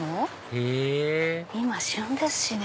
へぇ今旬ですしね。